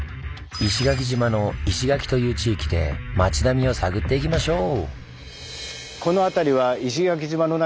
石垣島の「石垣」という地域で町並みを探っていきましょう！